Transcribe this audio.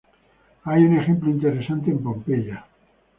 Hay un ejemplo interesante en Pompeya.